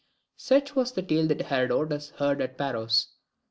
Such was the tale that Herodotus heard at Paros.